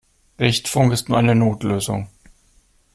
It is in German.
Richtfunk ist nur eine Notlösung.